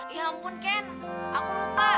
ya ampun ken aku lupa